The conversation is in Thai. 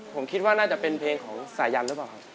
ผมคิดว่าน่าจะเป็นเพลงของสายันหรือเปล่าครับ